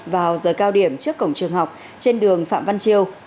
vào giờ cao điểm trước cổng trường học trên đường phạm văn chiêu